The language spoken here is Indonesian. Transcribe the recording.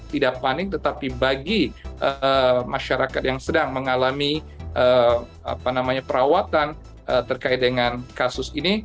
tidak panik tetapi bagi masyarakat yang sedang mengalami perawatan terkait dengan kasus ini